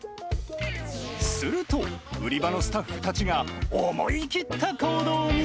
すると、売り場のスタッフたちが思い切った行動に。